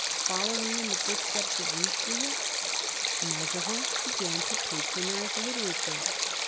Following in the footsteps of Richelieu, Mazarin began to patronise literature.